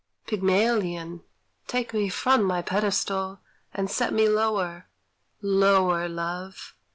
Pygmalion! Take me from my pedestal, And set me lower lower, Love!